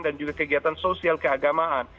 dan juga kegiatan sosial keagamaan